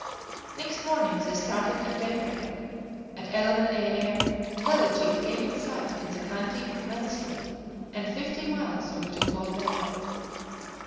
Next morning they started at daybreak. At 11 A. M. Delegete came in sight in the county of Wellesley, and fifty miles from Twofold Bay.